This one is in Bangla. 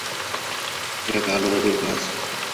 এটা কালো জাদুর কাজ।